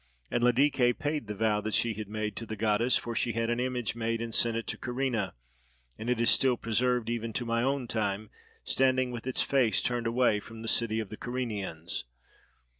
And Ladike paid the vow that she had made to the goddess; for she had an image made and sent it to Kyrene, and it is still preserved even to my own time, standing with its face turned away from the city of the Kyrenians.